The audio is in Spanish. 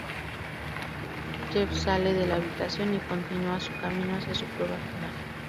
Jeff sale de la habitación y continua su camino hacia su prueba final.